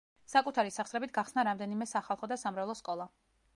საკუთარი სახსრებით გახსნა რამდენიმე სახალხო და სამრევლო სკოლა.